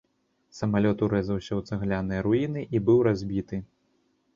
Самалёт урэзаўся ў цагляныя руіны і быў разбіты.